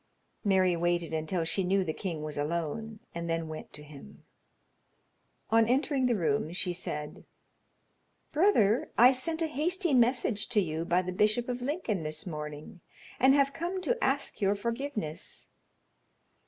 Mary waited until she knew the king was alone, and then went to him. On entering the room, she said: "Brother, I sent a hasty message to you by the Bishop of Lincoln this morning, and have come to ask your forgiveness."